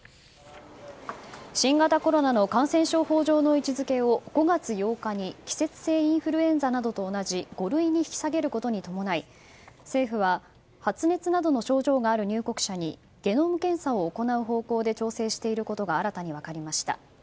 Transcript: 新型コロナの感染症法上の位置づけを５月８日に季節性インフルエンザなどと同じ５類に引き下げることに伴い政府は発熱などの症状がある入国者にゲノム検査を行う報告で調整していることが新たに分かりました。